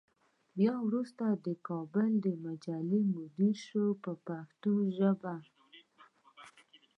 بیا وروسته د کابل مجلې مدیر شو په پښتو ژبه.